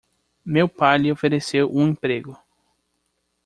Meu pai lhe ofereceu um emprego.